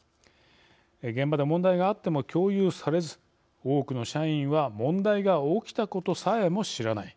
現場で問題があっても共有されず多くの社員は問題が起きたことさえも知らない。